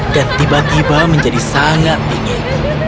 tiba tiba menjadi sangat dingin